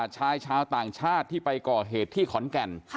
ชายชาวต่างชาติที่ไปก่อเหตุที่ขอนแก่น